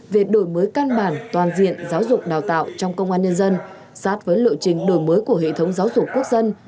về đổi mới căn bản toàn diện giáo dục đào tạo trong công an nhân dân sát với lộ trình đổi mới của hệ thống giáo dục quốc dân